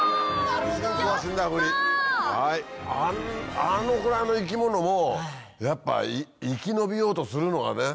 あのぐらいの生き物もやっぱ生き延びようとするのがね。